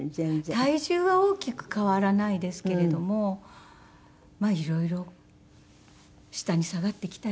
体重は大きく変わらないですけれどもまあ色々下に下がってきたり。